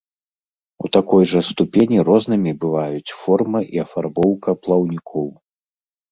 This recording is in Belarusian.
У такой жа ступені рознымі бываюць форма і афарбоўка плаўнікоў.